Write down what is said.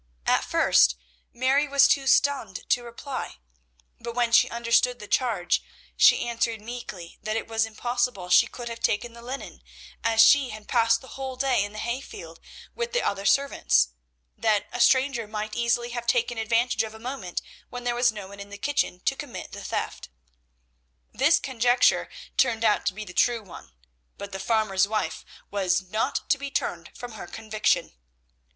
At first Mary was too stunned to reply, but when she understood the charge, she answered meekly that it was impossible she could have taken the linen, as she had passed the whole day in the hay field with the other servants; that a stranger might easily have taken advantage of a moment when there was no one in the kitchen to commit the theft. This conjecture turned out to be the true one, but the farmer's wife was not to be turned from her conviction.